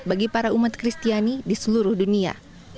bagi para umat kristiani di seluruh dunia